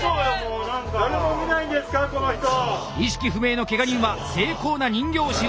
意識不明のけが人は精巧な人形を使用。